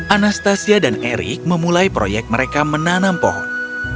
anastasia dan erik memulai proyek mereka menanam pohon